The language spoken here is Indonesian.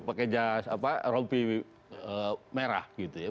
pakai jas rompi merah gitu ya